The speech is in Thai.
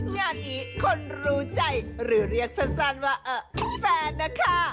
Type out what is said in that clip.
งานนี้คนรู้ใจหรือเรียกสั้นว่าเออแฟนนะคะ